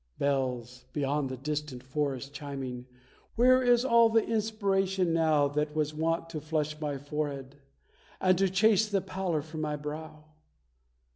Bells, beyond the forest chiming, where is all the inspiration now That was wont to flush my forehead, and to chase the pallor from my brow?